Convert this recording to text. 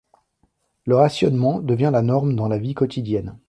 Le rationnement devient la norme dans la vie quotidienne.